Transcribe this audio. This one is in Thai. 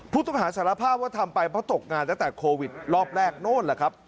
ผู้ต้องหาสารภาพว่าทำไปเพราะตกงานตั้งแต่โควิดรอบแรกโน้นแหละครับ